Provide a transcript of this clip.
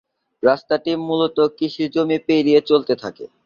রাস্তাটি মুলত কৃষিজমি পেরিয়ে চলতে থাকে।